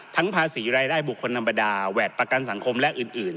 ภาษีรายได้บุคคลธรรมดาแหวดประกันสังคมและอื่น